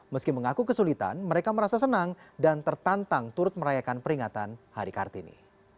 meski mengaku kesulitan mereka merasa senang dan tertantang turut merayakan peringatan hari kartini